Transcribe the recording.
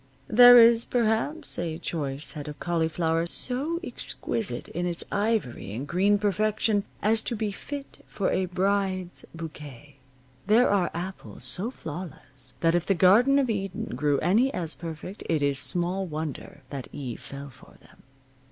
There is, perhaps, a choice head of cauliflower, so exquisite in its ivory and green perfection as to be fit for a bride's bouquet; there are apples so flawless that if the garden of Eden grew any as perfect it is small wonder that Eve fell for them.